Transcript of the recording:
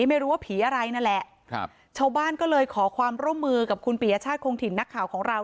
ไม่รู้ว่าผีอะไรนั่นแหละครับชาวบ้านก็เลยขอความร่วมมือกับคุณปียชาติคงถิ่นนักข่าวของเรา